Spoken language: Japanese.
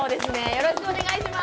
よろしくお願いします。